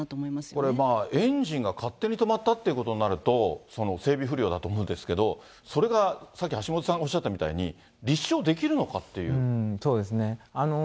これ、まあ、エンジンが勝手に止まったということになると、整備不良だと思うんですけれども、それがさっき橋下さんがおっしゃったみたいに、立証できるのかっそうですね。